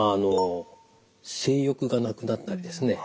性欲がなくなったりですね